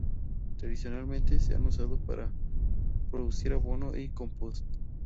Tradicionalmente se han usado para producir abono y compost.